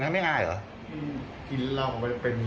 ไม่ยังค่อย๑นาที